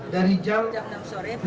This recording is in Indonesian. dari jam enam sore